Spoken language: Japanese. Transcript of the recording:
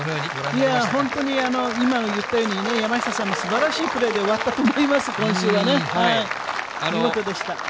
いや、本当に、今言ったように、山下さんのすばらしいプレーで終わったと思います、今週はね、見事でした。